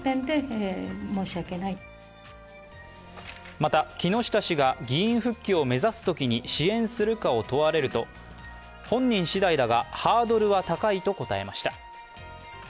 また木下氏が議員復帰を目指すときに支援するかを問われると本人次第だが、ハードルは高いと答えました。